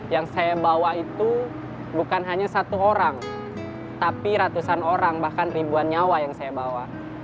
yang saya bawa itu bukan hanya satu orang tapi ratusan orang bahkan ribuan nyawa yang saya bawa